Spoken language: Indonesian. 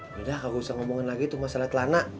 yaudah gak usah ngomongin lagi tuh masalah celana